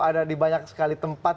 ada di banyak sekali tempat